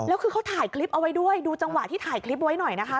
แล้วคือเขาถ่ายคลิปเอาไว้ด้วยดูจังหวะที่ถ่ายคลิปไว้หน่อยนะคะ